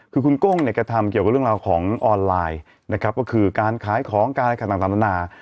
คือคุณกุ้งเนี่ยกระทำเกี่ยวกับเรื่องราวของออนไลน์นะครับก็คือการขายของการอะไรต่างนานา